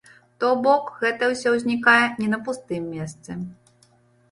То бок, гэта ўсё ўзнікае не на пустым месцы.